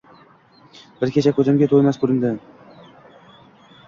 Bir kecha ko‘zimga Toymas ko‘rindi